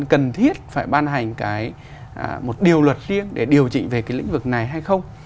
cần thiết phải ban hành một điều luật riêng để điều chỉnh về cái lĩnh vực này hay không